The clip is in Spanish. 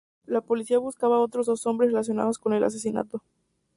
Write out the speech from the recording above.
La policía buscaba otros dos hombres relacionadas con el asesinato.